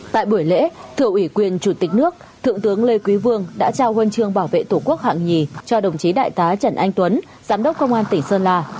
tại buổi lễ thượng ủy quyền chủ tịch nước thượng tướng lê quý vương đã trao huân chương bảo vệ tổ quốc hạng nhì cho đồng chí đại tá trần anh tuấn giám đốc công an tỉnh sơn la